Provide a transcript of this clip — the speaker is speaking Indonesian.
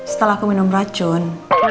setelah aku minum racun